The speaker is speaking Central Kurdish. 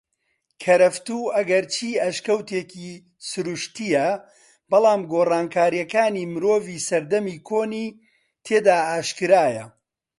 کەرەفتوو ئەگەرچی ئەشکەوتێکی سرووشتیە بەلام گۆڕانکاریەکانی مرۆڤی سەردەمی کۆنی تێدا ئاشکرایە